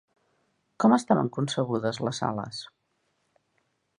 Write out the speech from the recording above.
Com estaven concebudes les ales?